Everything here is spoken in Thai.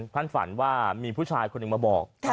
ท่านฝันว่ามีผู้ชายคนหนึ่งมาบอก